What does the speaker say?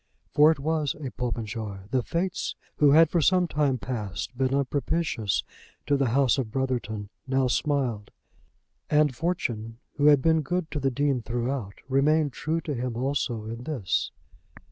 For it was a Popenjoy. The Fates, who had for some time past been unpropitious to the house of Brotherton, now smiled; and Fortune, who had been good to the Dean throughout, remained true to him also in this.